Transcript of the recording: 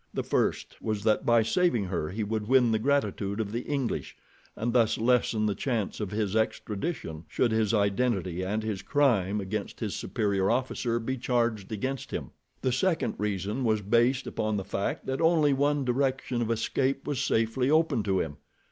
The first was that by saving her he would win the gratitude of the English, and thus lessen the chance of his extradition should his identity and his crime against his superior officer be charged against him. The second reason was based upon the fact that only one direction of escape was safely open to him.